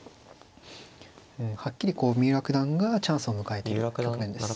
はっきり三浦九段がチャンスを迎えてる局面です。